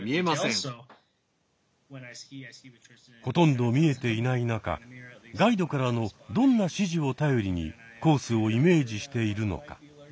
ほとんど見えていない中ガイドからのどんな指示を頼りにコースをイメージしているのか。